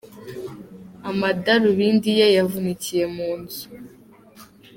Amadarubindiye yavunikiye munzu.